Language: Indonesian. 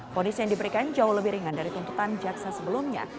fonis yang diberikan jauh lebih ringan dari tuntutan jaksa sebelumnya